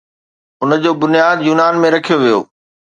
ان جو بنياد يونان ۾ رکيو ويو.